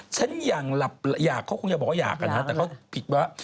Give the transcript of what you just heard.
ฉันอยากหลับหรืออยากเขาคงจะบอกว่าอยากแต่เขาผิดว่า